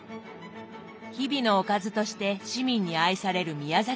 日々のおかずとして市民に愛される宮崎餃子。